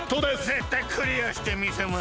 ぜったいクリアしてみせます！